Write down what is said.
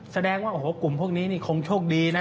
แสดงว่าโอ้โหกลุ่มพวกนี้นี่คงโชคดีนะ